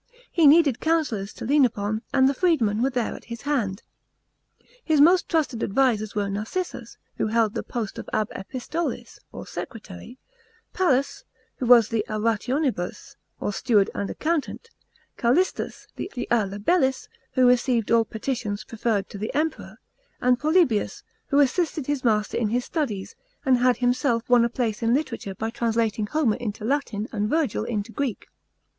He needed councillors to lean upon, and the freedmen were there, at his hand. His most trusted advisers were Narcissus, who held the post of ab epistulis, or secretary ; Pallas, who was the a rationibus, or steward and accountant ; Callistus, the a libellis, who received all petitions preferred to the Emperor ; and Polybius, who assisted his master in nis studies, and had himself won a place in literature by translating Homer into Latin and Virgil into Greek.